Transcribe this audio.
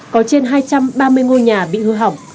có trên hai trăm ba mươi ngôi nhà bị hư hỏng